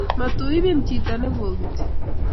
Matuibin chito ne bokiti